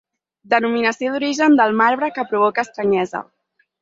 Denominació d'origen del marbre que provoca estranyesa.